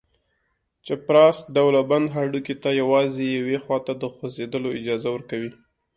چپراست ډوله بند هډوکي ته یوازې یوې خواته د خوځېدلو اجازه ورکوي.